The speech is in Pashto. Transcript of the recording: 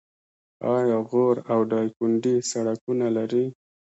آیا غور او دایکنډي سړکونه لري؟